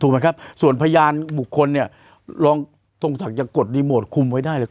ครับส่วนพยานบุคคลเนี่ยรองทรงศักดิ์กดรีโมทคุมไว้ได้เลย